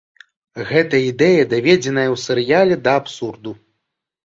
Гэта ідэя даведзеная ў серыяле да абсурду.